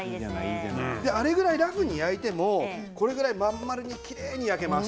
あれぐらいラフに焼いてもこのぐらい真ん丸にきれいに焼けます。